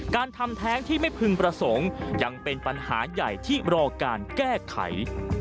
การทำแท้งที่ไม่พึงประสงค์ยังเป็นปัญหาใหญ่ที่รอการแก้ไข